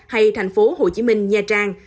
hay thành phố hồ chí minh nha trang